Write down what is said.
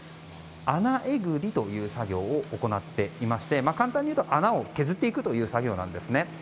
穴えぐりという作業を行っていまして簡単に言うと穴を削っていくという作業なんですね。